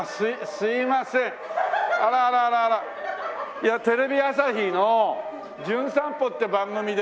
いやテレビ朝日の『じゅん散歩』って番組で。